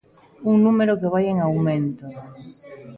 Un número que vai en aumento.